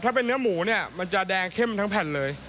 ถ้าเป็นเนื้อหมูเนี่ยมันจะแดงเข้มทั้งแผ่นเลย